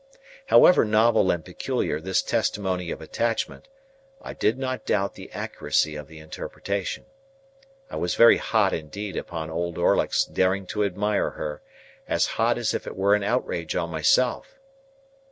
However novel and peculiar this testimony of attachment, I did not doubt the accuracy of the interpretation. I was very hot indeed upon Old Orlick's daring to admire her; as hot as if it were an outrage on myself.